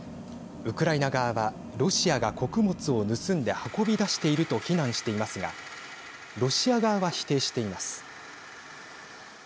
ウクライナ側はロシアが穀物を盗んで運び出していると非難していますがロシア側は否定しています。